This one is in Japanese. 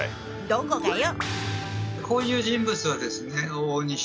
どこがよ！